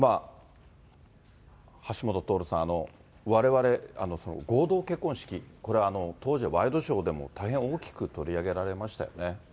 橋下徹さん、われわれ、合同結婚式、これ、当時はワイドショーでも大変大きく取り上げられましたよね。